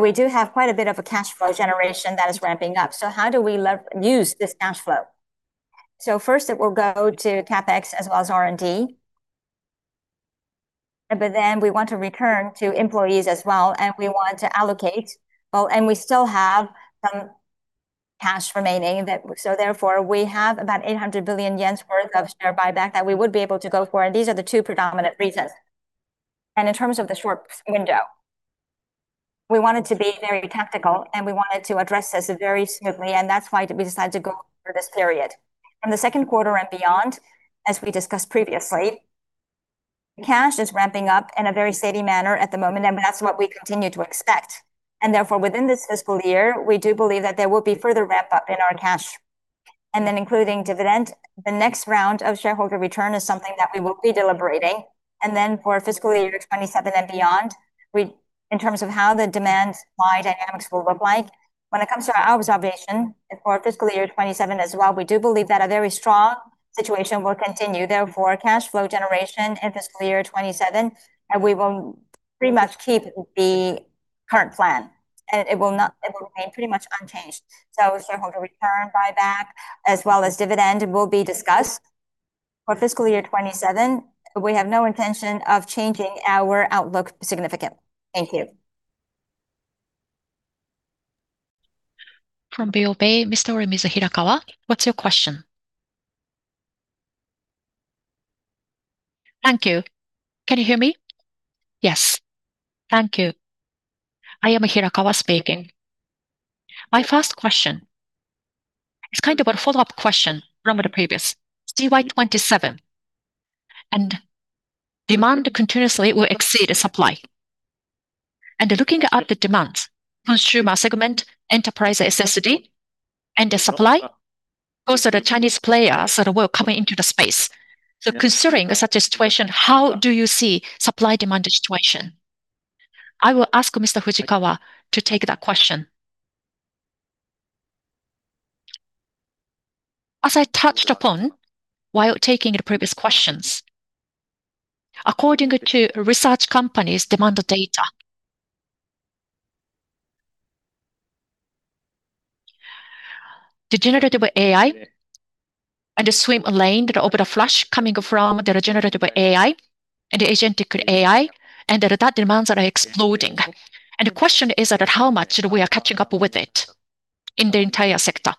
we do have quite a bit of a cash flow generation that is ramping up. How do we use this cash flow? First it will go to CapEx as well as R&D. We want to return to employees as well, and we want to allocate well. We still have some cash remaining, therefore, we have about 800 billion worth of share buyback that we would be able to go for. These are the two predominant reasons. In terms of the short window, we wanted to be very tactical, we wanted to address this very smoothly, that's why we decided to go for this period. In the second quarter and beyond, as we discussed previously, cash is ramping up in a very steady manner at the moment, that's what we continue to expect. Therefore, within this fiscal year, we do believe that there will be further ramp-up in our cash. Then including dividend, the next round of shareholder return is something that we will be deliberating. For fiscal year 2027 and beyond, in terms of how the demand supply dynamics will look like, when it comes to our observation for fiscal year 2027 as well, we do believe that a very strong situation will continue, though, for cash flow generation in fiscal year 2027, we will pretty much keep the current plan. It will remain pretty much unchanged. Shareholder return buyback as well as dividend will be discussed. For fiscal year 2027, we have no intention of changing our outlook significantly. Thank you. From BofA, Mr. Hirakawa, what's your question? Thank you. Can you hear me? Yes. Thank you. I am Hirakawa speaking. My first question is a follow-up question from the previous. FY 2027 demand continuously will exceed supply. Looking at the demands, consumer segment, enterprise SSD, the supply, also the Chinese players that are coming into the space. Considering such a situation, how do you see supply/demand situation? I will ask Mr. Fujikawa to take that question. As I touched upon while taking the previous questions, according to research companies' demand data, the generative AI and the swimlane, the open flash coming from the generative AI and the agentic AI, that demands are exploding. The question is that how much we are catching up with it in the entire sector.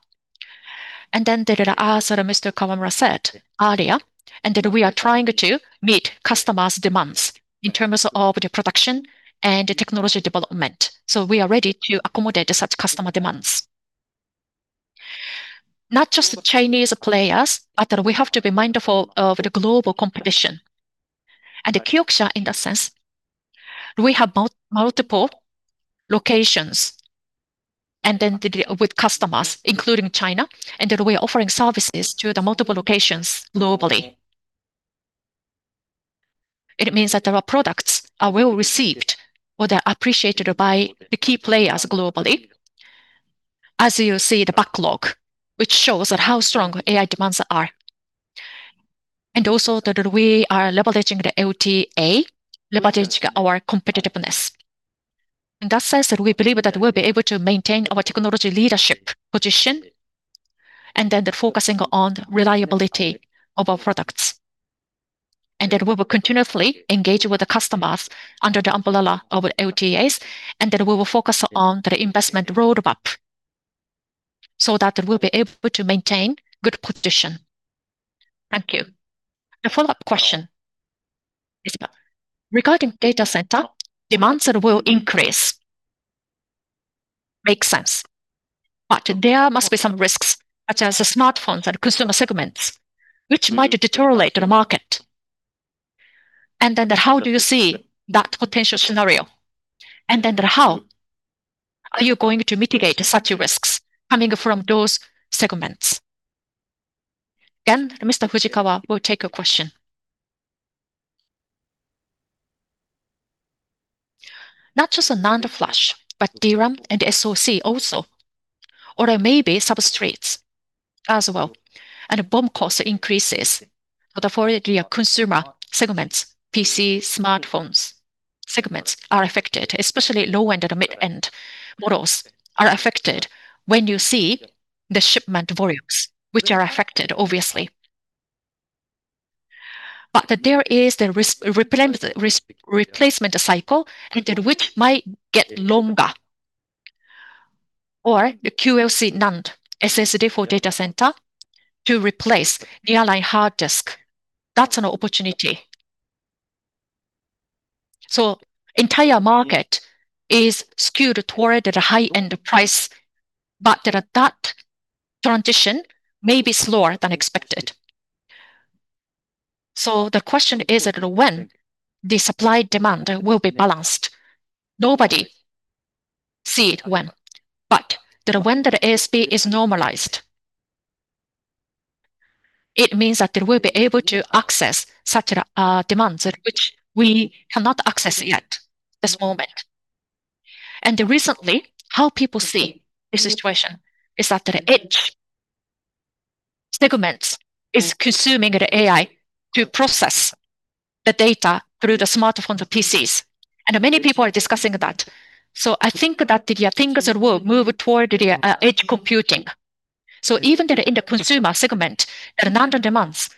As Mr. Kawamura said earlier, that we are trying to meet customers' demands in terms of the production and technology development. We are ready to accommodate such customer demands. Not just the Chinese players, but we have to be mindful of the global competition. Kioxia, in that sense, we have multiple locations with customers, including China, that we are offering services to the multiple locations globally. It means that our products are well received or they're appreciated by the key players globally. As you see, the backlog, which shows that how strong AI demands are. Also, that we are leveraging the LTA, leveraging our competitiveness. In that sense, we believe that we'll be able to maintain our technology leadership position then focusing on reliability of our products. We will continuously engage with the customers under the umbrella of LTAs, we will focus on the investment roadmap so that we'll be able to maintain good position. Thank you. The follow-up question is regarding data center demands that will increase. Makes sense. There must be some risks, such as the smartphones and consumer segments, which might deteriorate the market. How do you see that potential scenario? How are you going to mitigate such risks coming from those segments? Again, Mr. Fujikawa will take the question. Not just NAND flash, DRAM and SoC also, or maybe substrates as well. BOM cost increases. Therefore, the consumer segments, PC, smartphones segments are affected, especially low-end and mid-end models are affected when you see the shipment volumes, which are affected obviously. There is the replacement cycle, which might get longer. The QLC NAND SSD for data center to replace nearline hard disk. That's an opportunity. Entire market is skewed toward the high-end price, that transition may be slower than expected. The question is that when the supply/demand will be balanced. Nobody see it when. When the ASP is normalized, it means that we'll be able to access such demands, which we cannot access yet this moment. Recently, how people see this situation is that the edge segments is consuming the AI to process the data through the smartphones or PCs. Many people are discussing that. I think that the things that will move toward the edge computing. Even in the consumer segment, the NAND demands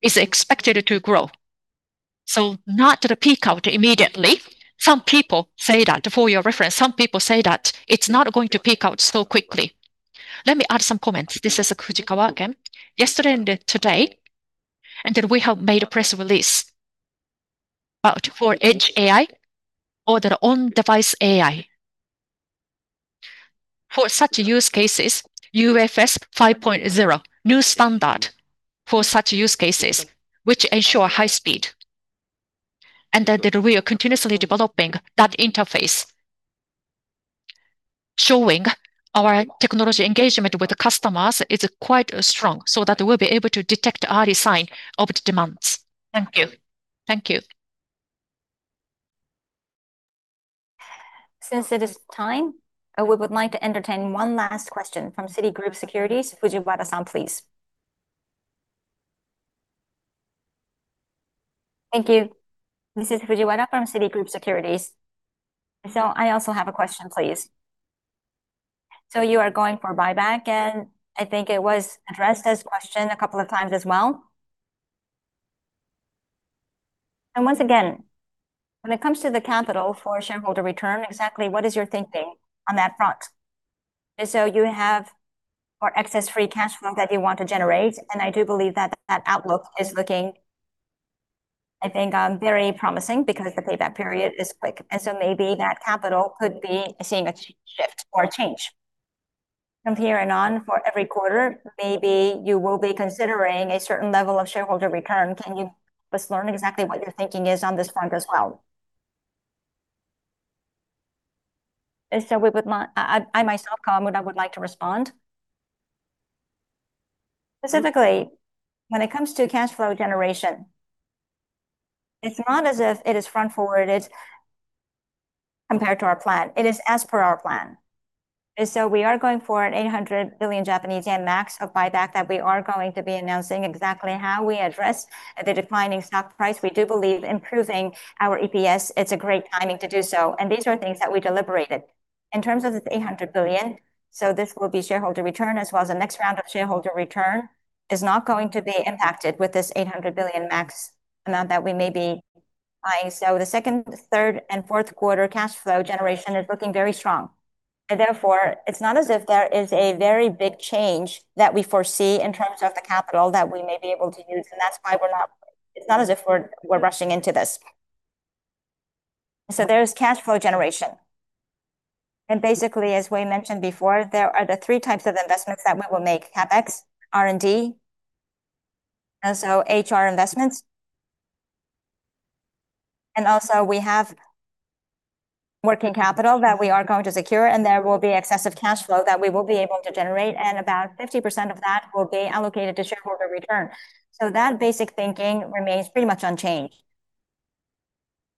is expected to grow. Not to peak out immediately. Some people say that, for your reference, some people say that it's not going to peak out so quickly. Let me add some comments. This is Fujikawa again. Yesterday and today, we have made a press release about for edge AI or their on-device AI. For such use cases, UFS 5.0 new standard for such use cases, which ensure high speed, we are continuously developing that interface, showing our technology engagement with the customers is quite strong so that we'll be able to detect early sign of demands. Thank you. Thank you. Since it is time, we would like to entertain one last question from Citigroup Securities. Mr. Fujiwara, please. Thank you. This is Fujiwara from Citigroup Securities. I also have a question, please. You are going for buyback, I think it was addressed as question a couple of times as well. Once again, when it comes to the capital for shareholder return, exactly what is your thinking on that front? You have more excess free cash flow that you want to generate, I do believe that that outlook is looking, I think, very promising because the payback period is quick. Maybe that capital could be seeing a shift or a change from here and on for every quarter. Maybe you will be considering a certain level of shareholder return. Can you just learn exactly what your thinking is on this front as well? I myself, Kawamura, would like to respond. Specifically, when it comes to cash flow generation, it's not as if it is front-forwarded compared to our plan. It is as per our plan. We are going for an 800 billion Japanese yen max of buyback that we are going to be announcing exactly how we address the defining stock price. We do believe improving our EPS, it's a great timing to do so. These are things that we deliberated. In terms of the 800 billion, this will be shareholder return as well as the next round of shareholder return is not going to be impacted with this 800 billion max amount that we may be buying. The second, third, and fourth quarter cash flow generation is looking very strong. Therefore, it's not as if there is a very big change that we foresee in terms of the capital that we may be able to use. It's not as if we're rushing into this. There's cash flow generation. Basically, as we mentioned before, there are the three types of investments that we will make, CapEx, R&D, HR investments. We have working capital that we are going to secure, and there will be excessive cash flow that we will be able to generate, and about 50% of that will be allocated to shareholder return. That basic thinking remains pretty much unchanged.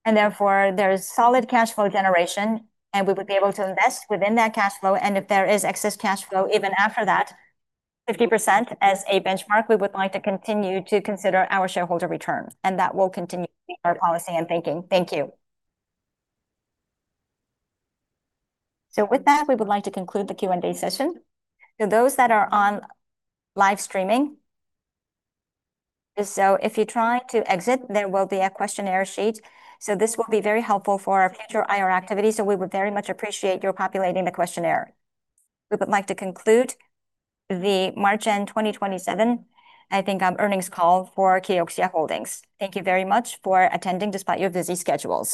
Therefore, there is solid cash flow generation, and we would be able to invest within that cash flow. If there is excess cash flow, even after that 50% as a benchmark, we would like to continue to consider our shareholder return. That will continue to be our policy and thinking. Thank you. With that, we would like to conclude the Q&A session. For those that are on live streaming, if you try to exit, there will be a questionnaire sheet. This will be very helpful for our future IR activity, we would very much appreciate your populating the questionnaire. We would like to conclude the March end 2027, I think, earnings call for Kioxia Holdings. Thank you very much for attending despite your busy schedules